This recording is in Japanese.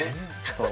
そう。